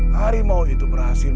hari mau itu berhasil